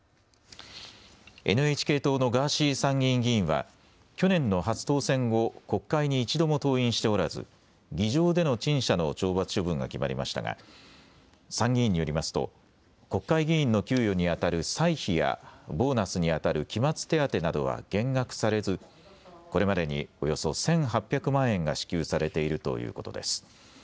ＮＨＫ党のガーシー参議院議員は去年の初当選後、国会に一度も登院しておらず、議場での陳謝の懲罰処分が決まりましたが参議院によりますと国会議員の給与にあたる歳費やボーナスにあたる期末手当などは減額されずこれまでにおよそ１８００万円が支給されているということです。